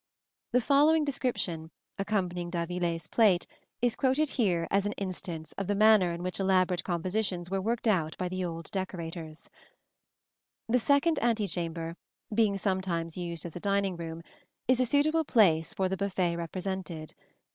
The following description, accompanying d'Aviler's plate, is quoted here as an instance of the manner in which elaborate compositions were worked out by the old decorators: "The second antechamber, being sometimes used as a dining room, is a suitable place for the buffet represented.